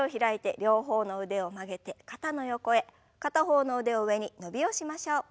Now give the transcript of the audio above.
片方の腕を上に伸びをしましょう。